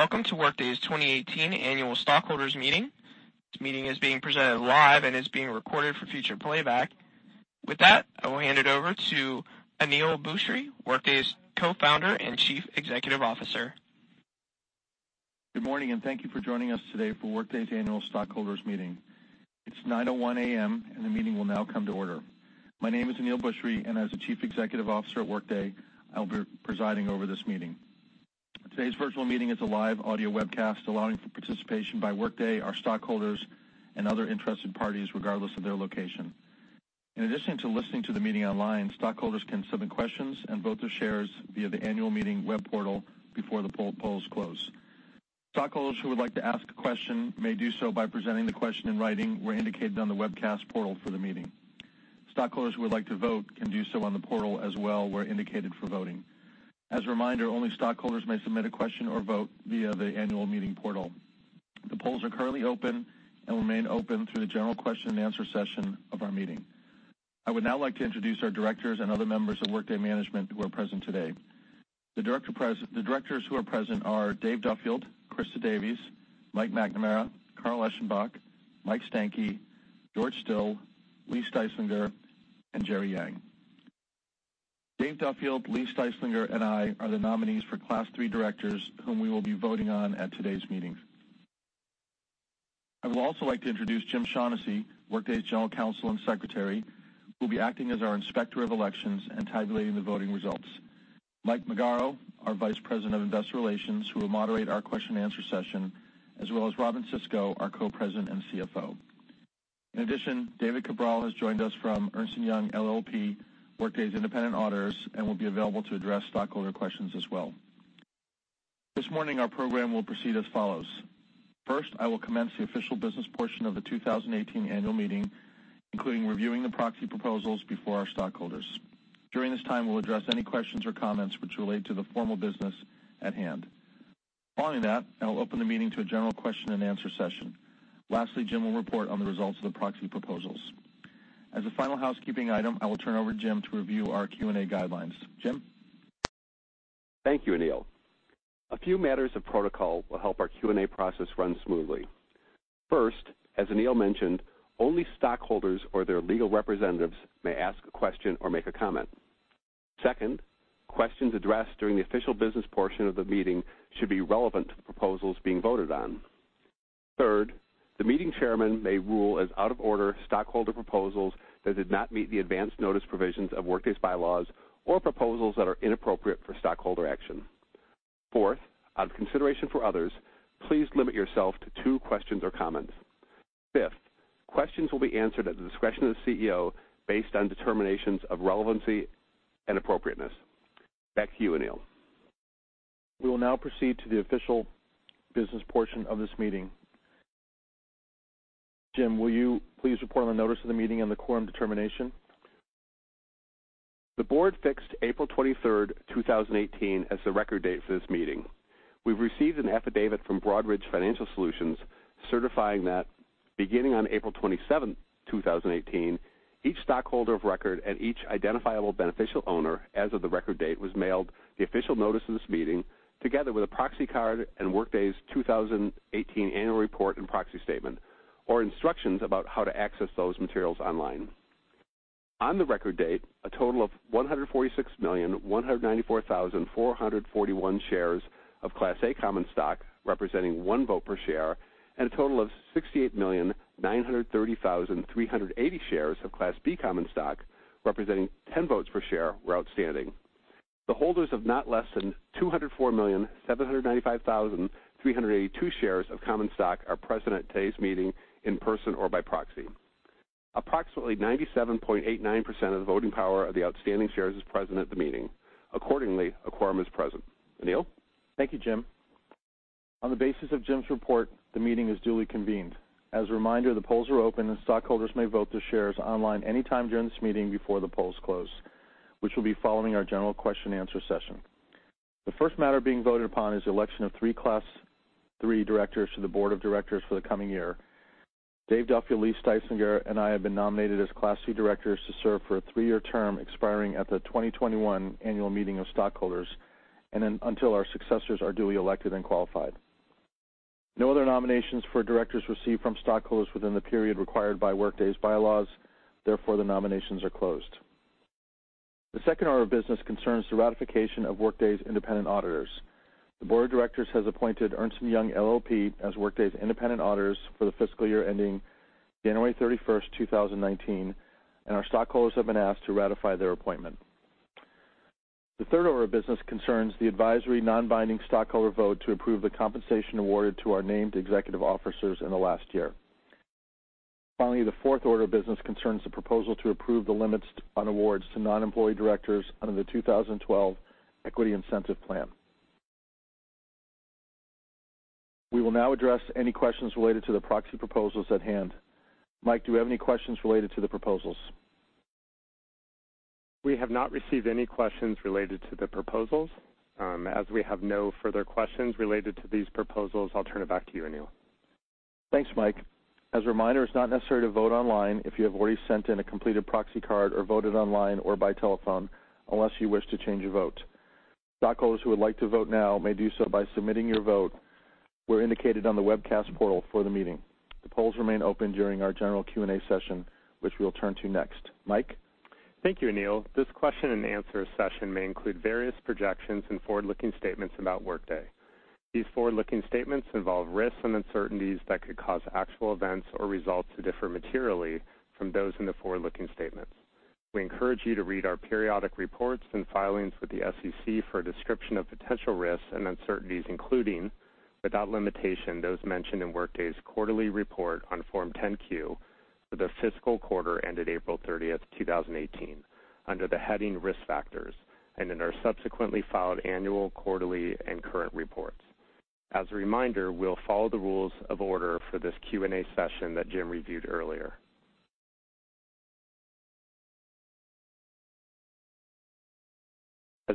Welcome to Workday's 2018 annual stockholders meeting. This meeting is being presented live and is being recorded for future playback. With that, I will hand it over to Aneel Bhusri, Workday's Co-Founder and Chief Executive Officer. Good morning. Thank you for joining us today for Workday's annual stockholders meeting. It's 9:01 A.M. The meeting will now come to order. My name is Aneel Bhusri, and as the Chief Executive Officer at Workday, I'll be presiding over this meeting. Today's virtual meeting is a live audio webcast allowing for participation by Workday, our stockholders, and other interested parties, regardless of their location. In addition to listening to the meeting online, stockholders can submit questions and vote their shares via the annual meeting web portal before the polls close. Stockholders who would like to ask a question may do so by presenting the question in writing where indicated on the webcast portal for the meeting. Stockholders who would like to vote can do so on the portal as well, where indicated for voting. As a reminder, only stockholders may submit a question or vote via the annual meeting portal. The polls are currently open and will remain open through the general question and answer session of our meeting. I would now like to introduce our directors and other members of Workday management who are present today. The directors who are present are Dave Duffield, Christa Davies, Mike McNamara, Carl Eschenbach, Mike Stankey, George Still, Lee Styslinger, and Jerry Yang. Dave Duffield, Lee Styslinger, and I are the nominees for Class III directors, whom we will be voting on at today's meeting. I would also like to introduce Jim Shaughnessy, Workday's General Counsel and Secretary, who will be acting as our inspector of elections and tabulating the voting results; Mike Magaro, our Vice President of Investor Relations, who will moderate our question and answer session; as well as Robynne Sisco, our Co-President and CFO. In addition, David Cabral has joined us from Ernst & Young LLP, Workday's independent auditors, and will be available to address stockholder questions as well. This morning, our program will proceed as follows. First, I will commence the official business portion of the 2018 annual meeting, including reviewing the proxy proposals before our stockholders. During this time, we'll address any questions or comments which relate to the formal business at hand. Following that, I will open the meeting to a general question and answer session. Lastly, Jim will report on the results of the proxy proposals. As a final housekeeping item, I will turn over Jim to review our Q&A guidelines. Jim? Thank you, Aneel. A few matters of protocol will help our Q&A process run smoothly. First, as Aneel mentioned, only stockholders or their legal representatives may ask a question or make a comment. Second, questions addressed during the official business portion of the meeting should be relevant to the proposals being voted on. Third, the meeting chairman may rule as out of order stockholder proposals that did not meet the advance notice provisions of Workday's bylaws or proposals that are inappropriate for stockholder action. Fourth, out of consideration for others, please limit yourself to two questions or comments. Fifth, questions will be answered at the discretion of the CEO based on determinations of relevancy and appropriateness. Back to you, Aneel. We will now proceed to the official business portion of this meeting. Jim, will you please report on the notice of the meeting and the quorum determination? The board fixed April 23rd, 2018, as the record date for this meeting. We've received an affidavit from Broadridge Financial Solutions certifying that beginning on April 27th, 2018, each stockholder of record and each identifiable beneficial owner as of the record date was mailed the official notice of this meeting, together with a proxy card and Workday's 2018 annual report and proxy statement or instructions about how to access those materials online. On the record date, a total of 146,194,441 shares of Class A common stock, representing one vote per share, and a total of 68,930,380 shares of Class B common stock, representing 10 votes per share, were outstanding. The holders of not less than 204,795,382 shares of common stock are present at today's meeting in person or by proxy. Approximately 97.89% of the voting power of the outstanding shares is present at the meeting. A quorum is present. Aneel? Thank you, Jim. On the basis of Jim's report, the meeting is duly convened. As a reminder, the polls are open, and stockholders may vote their shares online anytime during this meeting before the polls close, which will be following our general question and answer session. The first matter being voted upon is the election of three Class III directors to the Board of Directors for the coming year. Dave Duffield, Lee Styslinger, and I have been nominated as Class III directors to serve for a three-year term expiring at the 2021 annual meeting of stockholders and then until our successors are duly elected and qualified. No other nominations for directors received from stockholders within the period required by Workday's bylaws, the nominations are closed. The second order of business concerns the ratification of Workday's independent auditors. The Board of Directors has appointed Ernst & Young LLP as Workday's independent auditors for the fiscal year ending January 31st, 2019, and our stockholders have been asked to ratify their appointment. The third order of business concerns the advisory, non-binding stockholder vote to approve the compensation awarded to our named executive officers in the last year. Finally, the fourth order of business concerns the proposal to approve the limits on awards to non-employee directors under the 2012 Equity Incentive Plan. We will now address any questions related to the proxy proposals at hand. Mike, do we have any questions related to the proposals? We have not received any questions related to the proposals. We have no further questions related to these proposals, I'll turn it back to you, Aneel. Thanks, Mike. A reminder, it's not necessary to vote online if you have already sent in a completed proxy card or voted online or by telephone unless you wish to change a vote. Stockholders who would like to vote now may do so by submitting your vote where indicated on the webcast portal for the meeting. The polls remain open during our general Q&A session, which we'll turn to next. Mike? Thank you, Aneel. This question and answer session may include various projections and forward-looking statements about Workday. These forward-looking statements involve risks and uncertainties that could cause actual events or results to differ materially from those in the forward-looking statements. We encourage you to read our periodic reports and filings with the SEC for a description of potential risks and uncertainties, including, without limitation, those mentioned in Workday's quarterly report on Form 10-Q for the fiscal quarter ended April 30th, 2018, under the heading Risk Factors, and in our subsequently filed annual, quarterly, and current reports. A reminder, we'll follow the rules of order for this Q&A session that Jim reviewed earlier.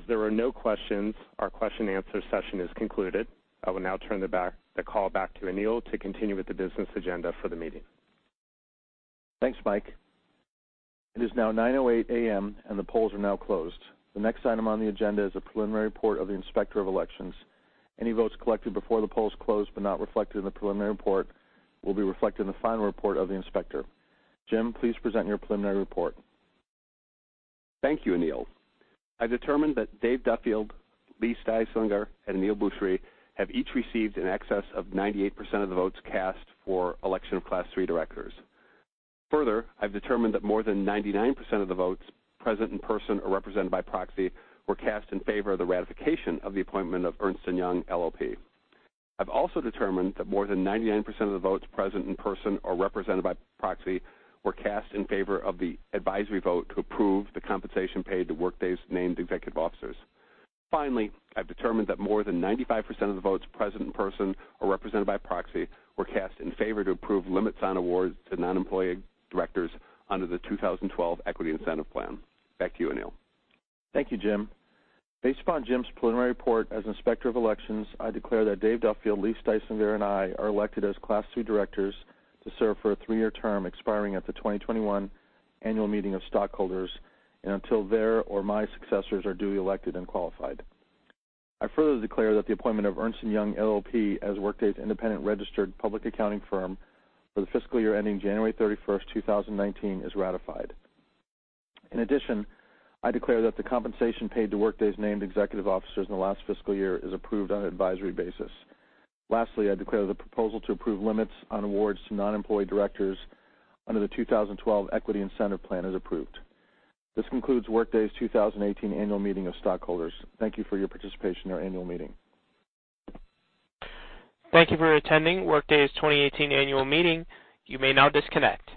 There are no questions, our question and answer session is concluded. I will now turn the call back to Aneel to continue with the business agenda for the meeting. Thanks, Mike. It is now 9:08 A.M., the polls are now closed. The next item on the agenda is a preliminary report of the Inspector of Elections. Any votes collected before the polls closed but not reflected in the preliminary report will be reflected in the final report of the inspector. Jim, please present your preliminary report. Thank you, Aneel. I determined that Dave Duffield, Aneel Bhusri, and Lee Styslinger have each received in excess of 98% of the votes cast for election of Class III directors. Further, I've determined that more than 99% of the votes present in person or represented by proxy were cast in favor of the ratification of the appointment of Ernst & Young LLP. I've also determined that more than 99% of the votes present in person or represented by proxy were cast in favor of the advisory vote to approve the compensation paid to Workday's named executive officers. Finally, I've determined that more than 95% of the votes present in person or represented by proxy were cast in favor to approve limits on awards to non-employee directors under the 2012 Equity Incentive Plan. Back to you, Aneel. Thank you, Jim. Based upon Jim's preliminary report as Inspector of Elections, I declare that Dave Duffield, Lee Styslinger, and I are elected as Class III directors to serve for a three-year term expiring at the 2021 annual meeting of stockholders and until their or my successors are duly elected and qualified. I further declare that the appointment of Ernst & Young LLP as Workday's independent registered public accounting firm for the fiscal year ending January 31st, 2019, is ratified. In addition, I declare that the compensation paid to Workday's named executive officers in the last fiscal year is approved on an advisory basis. Lastly, I declare the proposal to approve limits on awards to non-employee directors under the 2012 Equity Incentive Plan is approved. This concludes Workday's 2018 annual meeting of stockholders. Thank you for your participation in our annual meeting. Thank you for attending Workday's 2018 annual meeting. You may now disconnect.